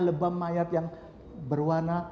lebam mayat yang berwarna